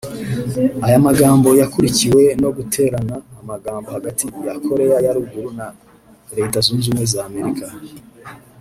Aya magambo yakurikiwe no guterana amagambo hagati ya Koreya ya Ruguru na Leta zunze ubumwe z’ Amerika